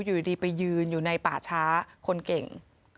อยู่ดีไปยืนอยู่ในป่าช้าคนเก่ง